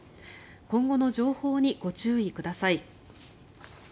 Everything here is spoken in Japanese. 今後の情報にご注意ください。